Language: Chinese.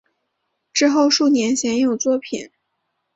之后数年鲜有作品。